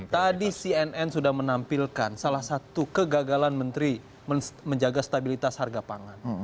tadi cnn sudah menampilkan salah satu kegagalan menteri menjaga stabilitas harga pangan